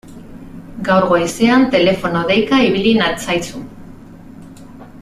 Gaur goizean telefono deika ibili natzaizu.